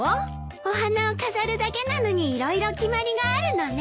お花を飾るだけなのに色々決まりがあるのね。